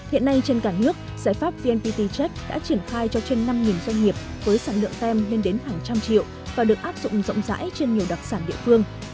hiện nay trên cả nước giải pháp vnpt check đã triển khai cho trên năm doanh nghiệp với sản lượng tem lên đến hàng trăm triệu và được áp dụng rộng rãi trên nhiều đặc sản địa phương